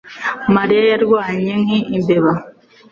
mariya yarwanye nki imbeba